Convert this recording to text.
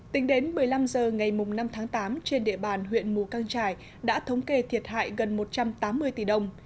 tính đến một mươi năm h ngày năm tháng tám trên địa bàn huyện mù căng trải đã thống kê thiệt hại gần một trăm tám mươi tỷ đồng